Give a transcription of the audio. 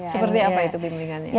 seperti apa itu bimbingannya